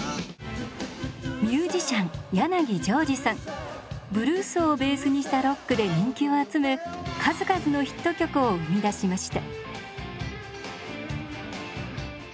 この俺さブルースをベースにしたロックで人気を集め数々のヒット曲を生み出しました。